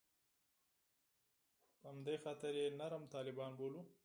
په همدې خاطر یې نرم طالبان وبولو.